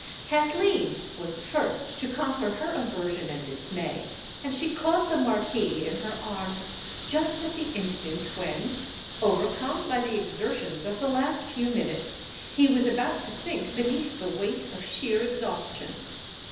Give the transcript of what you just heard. Kathleen was the first to conquer her aversion and dismay; and she caught the Marquis in her arms just at the instant when, overcome by the exertions of the last few minutes, he was about to sink beneath the weight of sheer exhaustion.